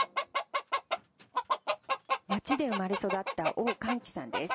街で生まれ育った王漢輝さんです。